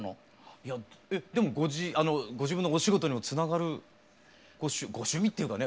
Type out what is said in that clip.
でもご自分のお仕事にもつながるご趣味っていうかね